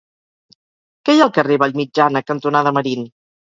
Què hi ha al carrer Vallmitjana cantonada Marín?